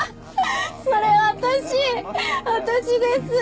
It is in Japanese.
それ私私ですー！